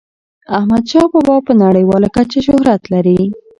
احمد شاه بابا په نړیواله کچه شهرت لري.